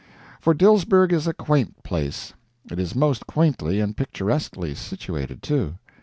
For Dilsberg is a quaint place. It is most quaintly and picturesquely situated, too.